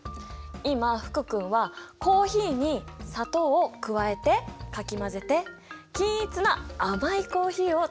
今福君はコーヒーに砂糖を加えてかき混ぜて均一な甘いコーヒーをつくったよね。